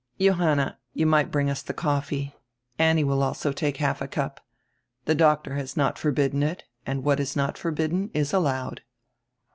"Johanna, you might bring us tire coffee. Annie will also take half a cup. Tire doctor has not forbidden it, and what is not forbidden is allowed."